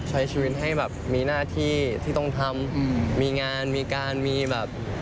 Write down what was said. ใช้ชีวิตให้แบบมีหน้าที่ที่ต้องทำมีงานมีการมีแบบ